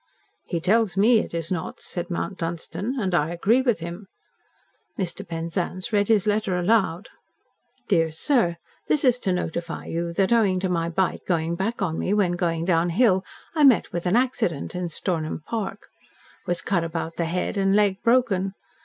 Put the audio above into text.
"He tells me it is not," said Mount Dunstan. "And I agree with him." Mr. Penzance read his letter aloud. "DEAR SIR: "This is to notify you that owing to my bike going back on me when going down hill, I met with an accident in Stornham Park. Was cut about the head and leg broken.